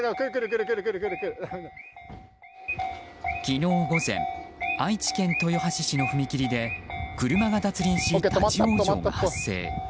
昨日午前愛知県豊橋市の踏切で車が脱輪し、立ち往生が発生。